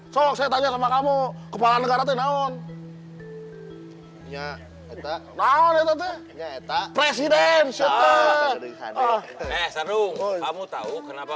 sosok saya tanya sama kamu kepala negara tenang ya kita mau presiden syukur kamu tahu kenapa